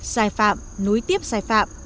sai phạm nối tiếp sai phạm